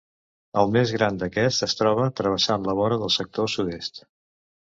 El més gran d'aquests es troba travessant la vora del sector sud-est.